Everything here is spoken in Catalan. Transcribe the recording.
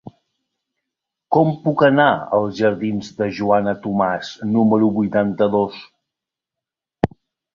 Com puc anar als jardins de Joana Tomàs número vuitanta-dos?